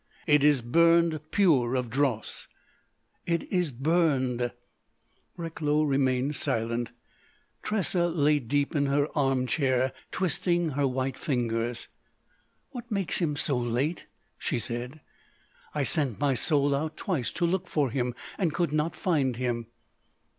"It is burned pure of dross." "It is burned." Recklow remained silent. Tressa lay deep in her armchair, twisting her white fingers. "What makes him so late?" she said.... "I sent my soul out twice to look for him, and could not find him."